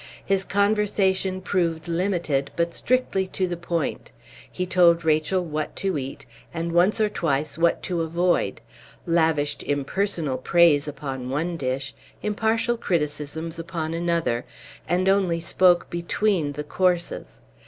His conversation proved limited, but strictly to the point; he told Rachel what to eat, and once or twice what to avoid; lavished impersonal praise upon one dish, impartial criticisms upon another, and only spoke between the courses.